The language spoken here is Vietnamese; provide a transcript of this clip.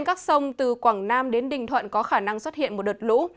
các sông từ quảng nam đến bình thuận có khả năng xuất hiện một đợt lũ